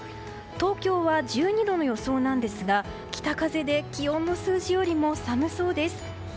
東京は１２度の予想なんですが北風で気温の数字よりも寒そうです。